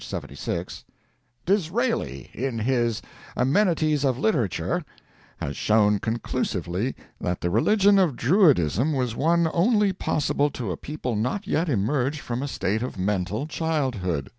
76: Disraeli, in his "Amenities of Literature," has shown conclusively that the religion of Druidism was one only possible to a people not yet emerged from a state of mental childhood.